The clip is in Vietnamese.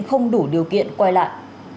không đủ điều kiện quay lại